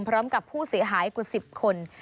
พร้อมกับผู้เสียหายกว่า๑๐คน